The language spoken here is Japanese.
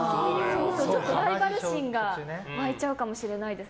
ライバル心が湧いちゃうかもしれないです。